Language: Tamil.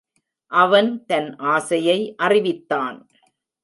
அவன் தன் ஆசையை அறிவித்தான்.